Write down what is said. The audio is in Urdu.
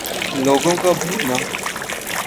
لوگوں کا بھولنا